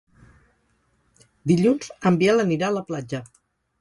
Dilluns en Biel anirà a la platja.